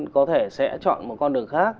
có thể sẽ chọn một con đường khác